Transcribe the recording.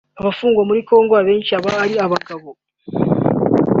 Abafungwa muri Congo benshi baba ari abagabo